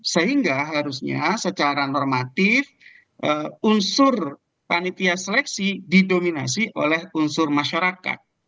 sehingga harusnya secara normatif unsur panitia seleksi didominasi oleh unsur masyarakat